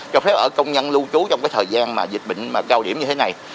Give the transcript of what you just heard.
cho phép ở công nhân lưu trú trong thời gian dịch bệnh cao điểm như thế này